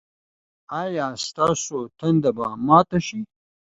ایا ستاسو تنده به ماته شي؟